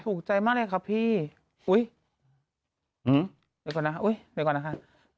ถูกใจมากเลยค่ะพี่อุ๊ยอุ๊ยไปก่อนนะคะ